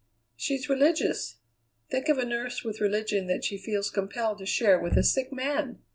She's religious! Think of a nurse with religion that she feels compelled to share with a sick man!